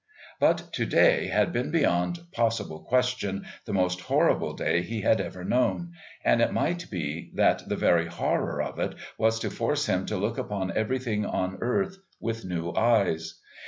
But to day had been beyond possible question the most horrible day he had ever known, and it might be that the very horror of it was to force him to look upon everything on earth with new eyes.